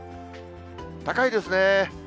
高いですね。